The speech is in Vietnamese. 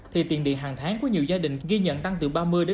thì tiền điện hàng tháng của nhiều gia đình ghi nhận tăng từ ba mươi năm mươi